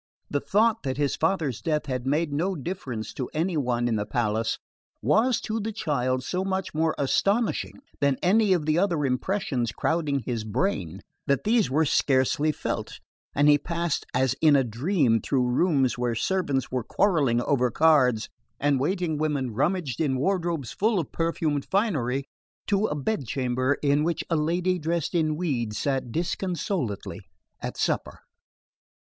The thought that his father's death had made no difference to any one in the palace was to the child so much more astonishing than any of the other impressions crowding his brain, that these were scarcely felt, and he passed as in a dream through rooms where servants were quarrelling over cards and waiting women rummaged in wardrobes full of perfumed finery, to a bedchamber in which a lady dressed in weeds sat disconsolately at supper.